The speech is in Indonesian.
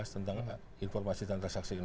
tentang informasi tentang transaksi elektronik